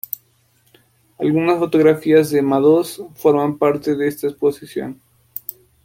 Algunas fotografías de Madoz forman parte de esta exposición.